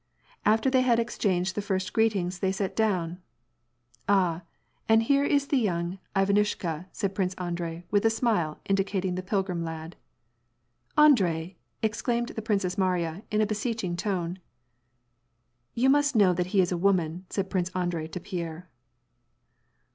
After they had exchanged the first greetings they sat down. " Ah, and here is the young Ivdnushka," said Prince Andrei, with a smile, indicating the pilgrim lad. " Andr6 !" exclaimed the Princess Mariya, in a beseeching tone. " You must know that he is a woman," said Prince Andrei to Pierre.